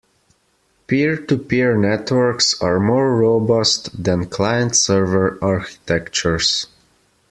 Peer-to-peer networks are more robust than client-server architectures.